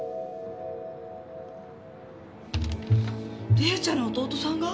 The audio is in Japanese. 理恵ちゃんの弟さんが？